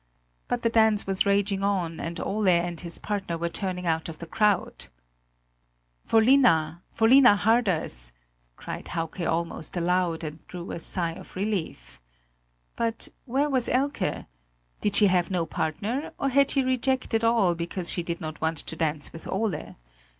But the dance was raging on, and Ole and his partner were turning out of the crowd. "Vollina! Vollina Harders!" cried Hauke almost aloud, and drew a sigh of relief. But where was Elke? Did she have no partner or had she rejected all because she did not want to dance with Ole?